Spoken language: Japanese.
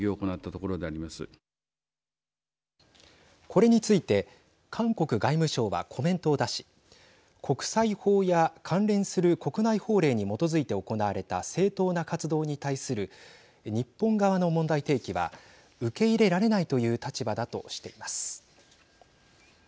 これについて韓国外務省はコメントを出し国際法や関連する国内法令に基づいて行われた正当な活動に対する日本側の問題提起は受け入れられないという立場だとしています。